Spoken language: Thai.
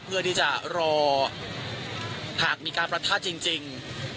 เพื่อที่จะรอหากมีการประทะจริง